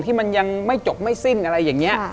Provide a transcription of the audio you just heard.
ที่มันยังไม่จบไม่สิ้นอะไรอย่างนี้